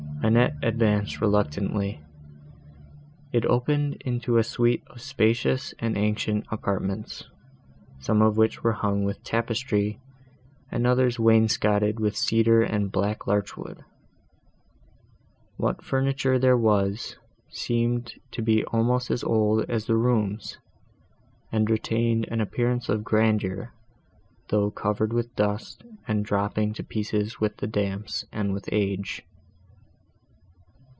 Annette advanced reluctantly. It opened into a suite of spacious and ancient apartments, some of which were hung with tapestry, and others wainscoted with cedar and black larch wood. What furniture there was, seemed to be almost as old as the rooms, and retained an appearance of grandeur, though covered with dust, and dropping to pieces with the damps, and with age.